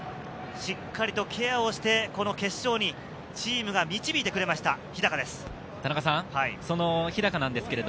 しっかりとケアをして、この決勝にチームが導いてくれました、日高です。